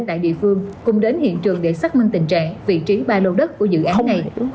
tại địa phương cùng đến hiện trường để xác minh tình trạng vị trí ba lô đất của dự án này